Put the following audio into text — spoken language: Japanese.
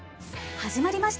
始まりました。